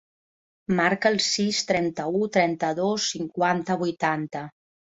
Marca el sis, trenta-u, trenta-dos, cinquanta, vuitanta.